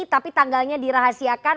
tapi tanggalnya dirahasiakan